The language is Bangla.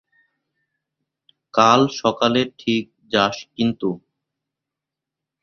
কাল সকালে ঠিক যাস কিন্তু।